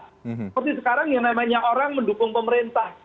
seperti sekarang yang namanya orang mendukung pemerintah